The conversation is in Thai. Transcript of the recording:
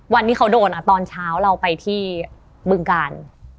วันที่เขาโดนตอนเช้าเราไปที่บึงกาล